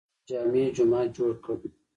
هغه د جامع جومات جوړ کړ.